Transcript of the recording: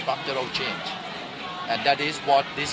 คุณคิดเรื่องนี้ได้ไหม